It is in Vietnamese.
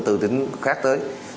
từ tỉnh khác tới